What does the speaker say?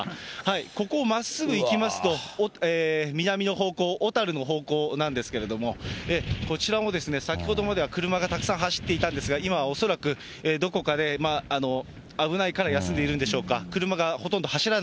ここをまっすぐ行きますと、南の方向、小樽の方向なんですけれども、こちらも、先ほどまでは車がたくさん走っていたんですが、今は恐らくどこかで危ないから休んでいるんでしょうか、車がほと